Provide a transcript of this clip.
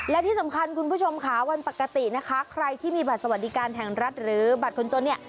และที่สำคัญคุณผู้ชมค่ะวันปกตินะคะใครที่มีบัตรสวัสดิการแห่งรัฐหรือบัตรคนจนเนี่ย